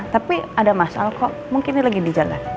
tapi ada masalah kok mungkin ini lagi di jalan